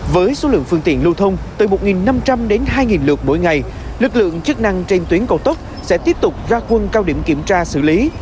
với số lượng phương tiện lưu thông từ một năm trăm linh đến hai lượt mỗi ngày lực lượng chức năng trên tuyến cầu tốc sẽ tiếp tục ra quân cao điểm kiểm tra xử lý